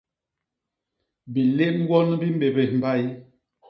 Bilém gwon bi mbébés mbay.